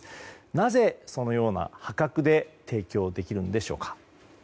なぜ、そのような破格で提供できるんでしょうか。